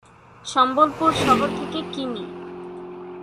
সম্বলপুর শহর থেকে কিমি।